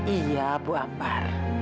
iya bu ambar